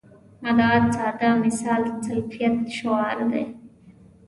مدعا ساده مثال سلفیت شعار دی.